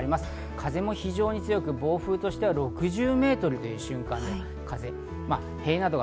風も非常に強く、暴風雨としては瞬間６０メートルという風。